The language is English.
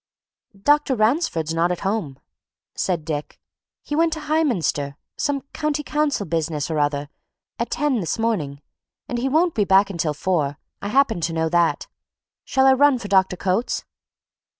"Dr. Ransford's not at home," said Dick. "He went to Highminster some County Council business or other at ten this morning, and he won't be back until four I happen to know that. Shall I run for Dr. Coates?"